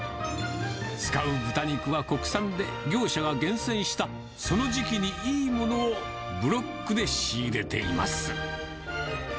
使う豚肉は国産で業者が厳選したその時期にいいものをブロックで仕入れています。